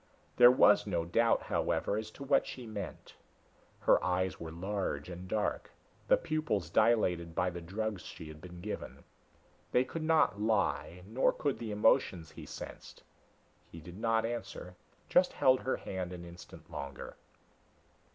There was no doubt, however, as to what she meant. Her eyes were large and dark, the pupils dilated by the drugs she had been given. They could not lie, nor could the emotions he sensed. He did not answer, just held her hand an instant longer.